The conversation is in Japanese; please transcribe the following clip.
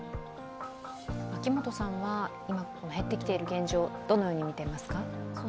秋元さんは今、減ってきている現状をどのように見ていますか？